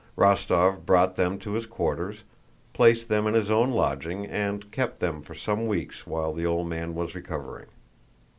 Rostóv brought them to his quarters, placed them in his own lodging, and kept them for some weeks while the old man was recovering.